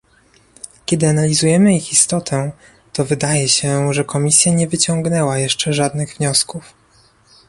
Kiedy analizujemy ich istotę, to wydaje się, że Komisja nie wyciągnęła jeszcze żadnych wniosków